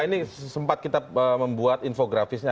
ini sempat kita membuat infografisnya